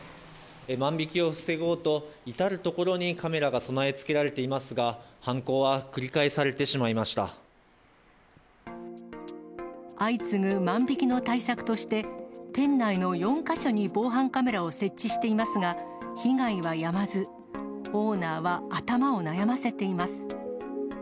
万引きを防ごうと、至る所にカメラが備え付けられていますが、犯行は繰り返されてし相次ぐ万引きの対策として、店内の４か所に防犯カメラを設置していますが、被害はやまず、オーナーは頭を悩ませています。